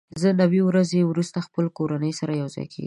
زه نوي ورځې وروسته خپلې کورنۍ سره یوځای کېږم.